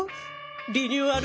リニューアル